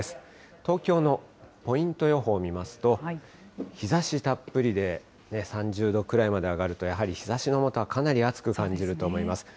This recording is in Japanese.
東京のポイント予報見ますと、日ざしたっぷりで、３０度くらいまで上がると、やはり日ざしの下はかなり暑く感じると思います。